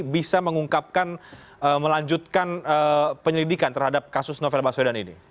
bisa mengungkapkan melanjutkan penyelidikan terhadap kasus novel baswedan ini